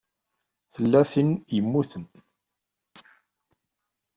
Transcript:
Tella tin i yemmuten.